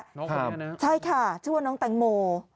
น้องคุณแม่นะครับใช่ค่ะชื่อว่าน้องแตงโม